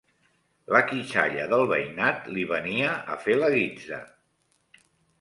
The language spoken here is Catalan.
La quitxalla del veïnat li venia a fer la guitza